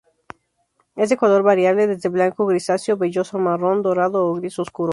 Es de color variable, desde blanco grisáceo velloso a marrón dorado o gris oscuro.